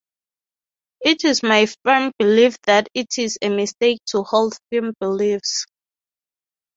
It is my firm belief that it is a mistake to hold firm beliefs.